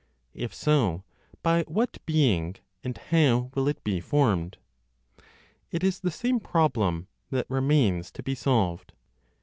If so, by what being, and how will it be formed? It is the same problem that remains to be solved.